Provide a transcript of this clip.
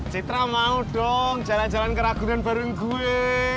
citra mau dong jalan jalan ke ragunan bareng gue